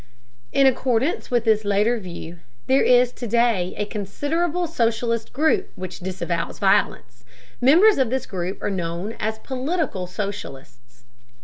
In accordance with this later view, there is to day a considerable socialist group which disavows violence. Members of this group are known as political socialists.